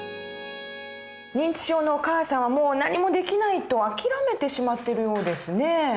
認知症のお母さんをもう何もできないと諦めてしまってるようですね。